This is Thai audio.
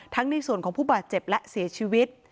ในส่วนของผู้บาดเจ็บและเสียชีวิต